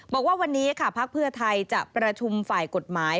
บอกว่าวันนี้ค่ะภักดิ์เพื่อไทยจะประชุมฝ่ายกฎหมาย